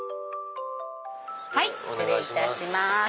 失礼いたします